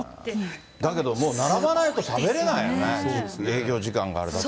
だけどもう並ばないと食べれないよね、営業時間があれだと。